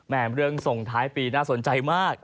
เรื่องส่งท้ายปีน่าสนใจมาก